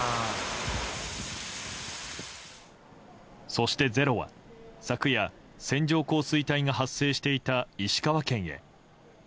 そして、「ｚｅｒｏ」は昨夜、線状降水帯が発生していた石川県へ。